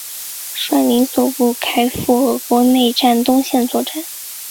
率领所部开赴俄国内战东线作战。